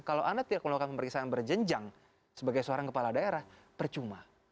kalau anda tidak melakukan pemeriksaan berjenjang sebagai seorang kepala daerah percuma